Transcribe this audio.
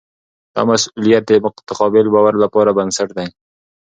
دا مسؤلیت د متقابل باور لپاره بنسټ دی.